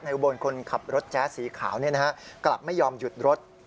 อุบลคนขับรถแจ๊สสีขาวกลับไม่ยอมหยุดรถ